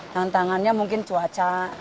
tantangannya mungkin cuaca